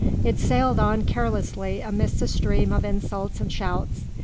It sailed on carelessly amidst a stream of insults and shouts.